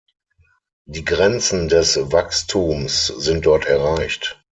Die Grenzen des Wachstums sind dort erreicht.